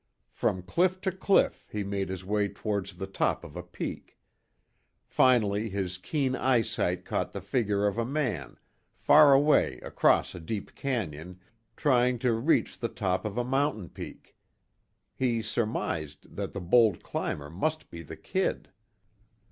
From cliff to cliff, he made his way towards the top of a peak. Finally his keen eyesight caught the figure of a man, far away across a deep canyon, trying to reach the top of a mountain peak. He surmised that the bold climber must be the "Kid."